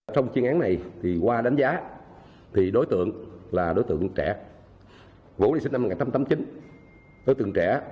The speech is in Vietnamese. trong chuyên án này qua đánh giá đối tượng trẻ vũ sinh năm một nghìn chín trăm tám mươi chín đối tượng trẻ